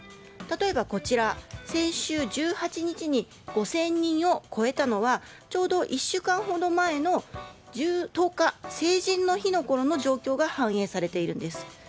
例えば、先週１８日に５０００人を超えたのはちょうど１週間ほど前の１０日、成人の日のころの状況が反映されているんです。